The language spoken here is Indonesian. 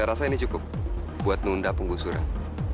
saya rasa ini cukup buat nunda penggusuran